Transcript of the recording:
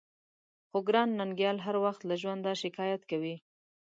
خو ګران ننګيال هر وخت له ژونده شکايت کوي.